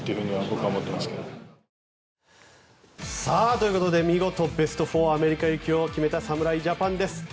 ということで見事ベスト４アメリカ行きを決めた侍ジャパンです。